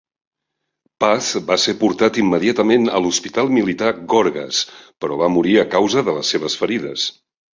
Paz va ser portat immediatament a l'Hospital Militar Gorgas, però va morir a causa de les seves ferides.